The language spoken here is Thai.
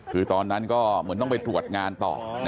คือตอนนั้นก็เหมือนต้องไปตรวจงานต่อ